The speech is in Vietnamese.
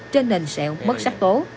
trên nền sẹo mất sắc tố